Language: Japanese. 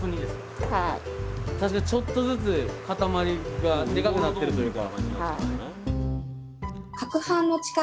確かにちょっとずつ固まりがデカくなってるというか。